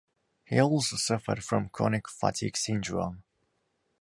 He also suffered from chronic fatigue syndrome.